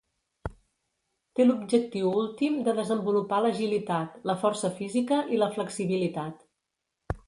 Té l'objectiu últim de desenvolupar l'agilitat, la força física i la flexibilitat.